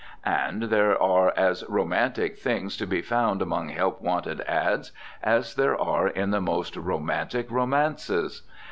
And there are as romantic things to be found among help wanted "ads" as there are in the most romantic romances.